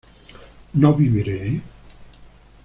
¿no viviré?